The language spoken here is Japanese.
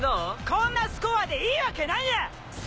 「こんなスコアでいいわけないよ！